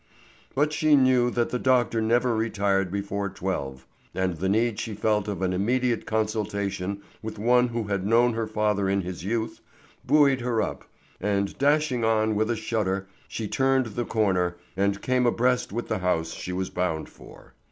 But she knew that the doctor never retired before twelve, and the need she felt of an immediate consultation with one who had known her father in his youth, buoyed her up, and dashing on with a shudder, she turned the corner and came abreast with the house she was bound for.